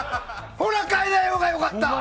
ほら変えないほうが良かった！